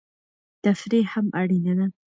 تفریح هم اړینه ده.